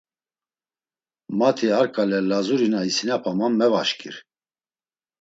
Mati ar ǩale Lazuri na isinapaman mevaşǩir.